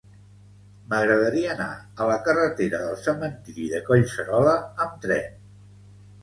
M'agradaria anar a la carretera del Cementiri de Collserola amb tren.